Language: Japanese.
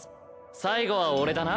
最後は俺だな。